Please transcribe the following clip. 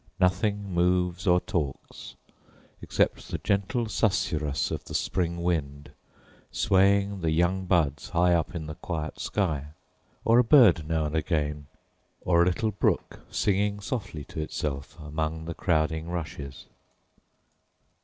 Nothing moves or talks, except the gentle susurrus of the spring wind swaying the young buds high up in the quiet sky, or a bird now and again, or a little brook singing softly to itself among the crowding rushes.